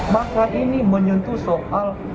maka ini menyentuh soal